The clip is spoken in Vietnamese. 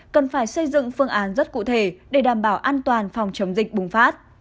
cần phải xây dựng phương án rất cụ thể để đảm bảo an toàn phòng chống dịch bùng phát